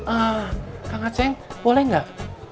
ah kang aceh boleh nggak